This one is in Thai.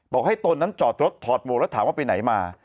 บอกให้ตนนั้นจอดรถถอดหมวกแล้วถามว่าไปไหนมา